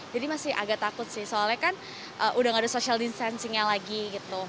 jadi masih agak takut sih soalnya kan udah gak ada social distancing nya lagi gitu